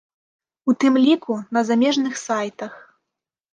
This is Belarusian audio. У тым ліку на замежных сайтах.